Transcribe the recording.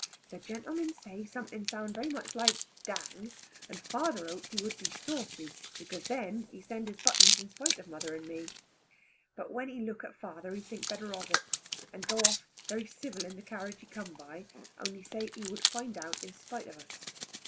The gentleman say something sound very much like "Dang," and father hoped he would be saucy, because then he send his buttons in spite of mother and me; but when he look at father he think better of it, and go off very civil in the carriage he come by, only say he would find out in spite of us.